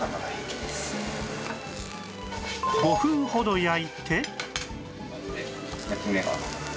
５分ほど焼いて